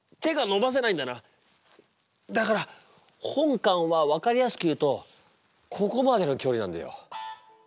だから本官は分かりやすく言うとここまでの距離なんだよ。